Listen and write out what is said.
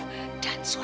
tidak ada foto